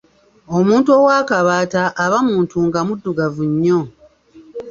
Omuntu ow'akabaata aba muntu nga muddugavu nnyo.